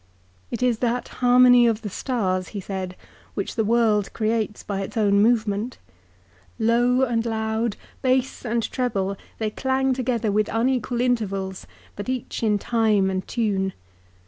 ' It is that harmony of the stars,' he said, ' which the world creates APPENDIX. 409 by its own movement. Low and loud, base and treble, they clang together with unequal intervals, but each in time and tune.